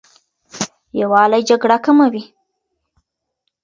یووالی جګړه کموي.